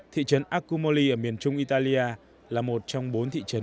thị trấn akumoli ở miền trung italia là một trong bốn thị trấn